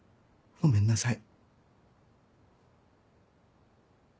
ごめんなさい！